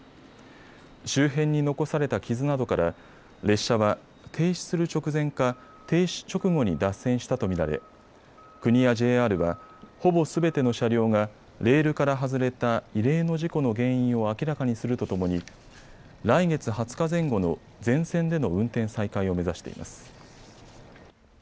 周辺に残された傷などから列車は停止する直前か停止直後に脱線したと見られ国やＪＲは、ほぼすべての車両がレールから外れた異例の事故の原因を明らかにするとともに来月２０日前後の全線での運転再開を目指しています。